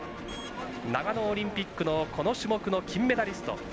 長野オリンピックのこの種目の金メダリスト。